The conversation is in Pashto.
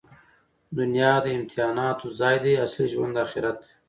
دونیا د امتحاناتو ځای دئ. اصلي ژوند آخرت دئ.